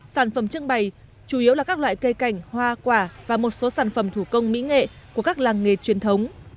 sản phẩm trưng bày chủ yếu là các loại cây cảnh hoa quả và một số sản phẩm thủ công mỹ nghệ của các làng nghề truyền thống